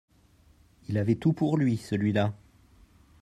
Il avait tout pour lui, celui-la